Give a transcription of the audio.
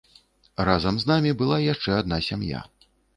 Разам з намі была яшчэ адна сям'я.